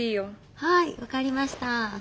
はい分かりました。